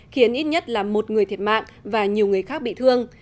khiến ít nhất là một người thiệt mạng và nhiều người khác bị thương